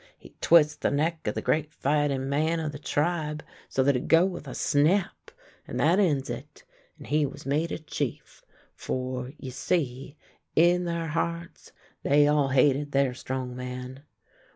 He twist the neck of the great fighting man of the tribe, so that it go with a snap, and that ends it, and he was made a chief, for, you see, in their hearts they all hated their 1 84 THE LANE THAT HAD NO TURNING strong man.